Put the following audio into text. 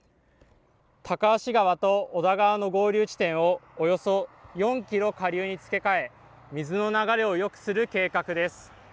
高梁川と小田川の合流地点をおよそ４キロ下流に付け替え、水の流れをよくする計画です。